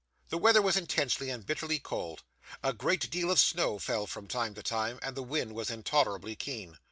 The weather was intensely and bitterly cold; a great deal of snow fell from time to time; and the wind was intolerably keen.